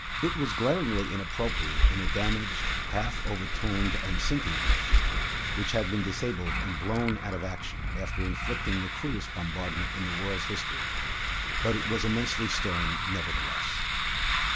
It was glaringly inappropriate in a damaged, half overturned, and sinking airship, which had been disabled and blown out of action after inflicting the cruellest bombardment in the world's history; but it was immensely stirring nevertheless.